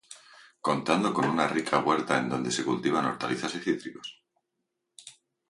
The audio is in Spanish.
Contando con una rica Huerta en dónde se cultivan hortalizas y cítricos.